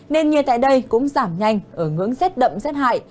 nền nhiệt tại đây cũng giảm nhanh ở ngưỡng xét đậm xét hại